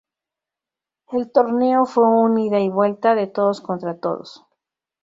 El torneo fue un "Ida y Vuelta" de Todos Contra Todos.